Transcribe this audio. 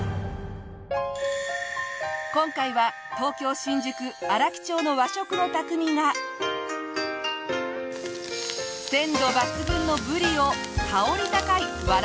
今回は東京新宿荒木町の和食の匠が鮮度抜群のブリを香り高い藁焼きに。